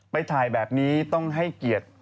ไปถ่ายแบบนี้ต้องให้เกียรติ